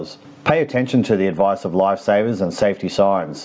beri perhatian kepada saran penyelamat dan tanda keamanan